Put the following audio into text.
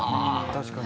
確かに。